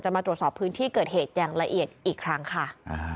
มาตรวจสอบพื้นที่เกิดเหตุอย่างละเอียดอีกครั้งค่ะ